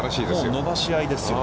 伸ばし合いですよね。